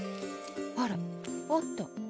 あらあった。